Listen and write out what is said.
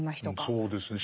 うんそうですね。